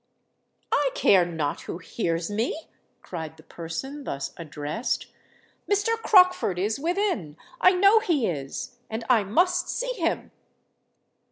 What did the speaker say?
"I care not who hears me!" cried the person thus addressed: "Mr. Crockford is within—I know he is; and I must see him."